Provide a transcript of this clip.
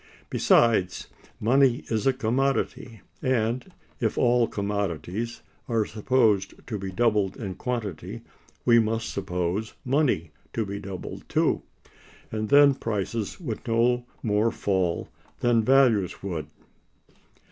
Besides, money is a commodity; and, if all commodities are supposed to be doubled in quantity, we must suppose money to be doubled too, and then prices would no more fall than values would.